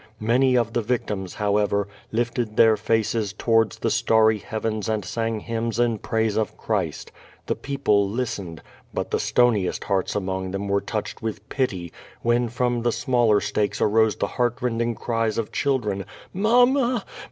Many of the victims, however, lifted their faces towards the starry heavens and sang hymns in praise of Christ. The people listened, but the stoniest hearts among them were touched with pity, when from the smaller stakes arose the heartrending cries of children* ^^famma!